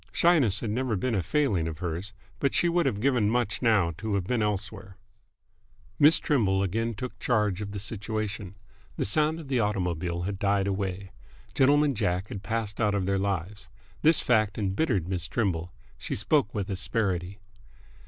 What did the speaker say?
Shyness had never been a failing of hers, but she would have given much now to have been elsewhere. Miss Trimble again took charge of the situation. The sound of the automobile had died away. Gentleman Jack had passed out of their lives. This fact embittered Miss Trimble. She spoke with asperity.